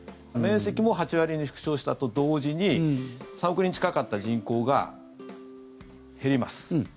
面積も８割に縮小したと同時に３億人近かった人口が減ります。